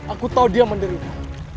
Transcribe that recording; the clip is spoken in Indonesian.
aku tahu dia menderita